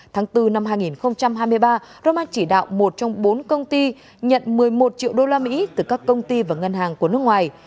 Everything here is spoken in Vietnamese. tháng bốn năm hai nghìn hai mươi ba roman chỉ đạo một trong bốn công ty nhận một mươi một triệu usd từ các công ty và ngân hàng của nước ngoài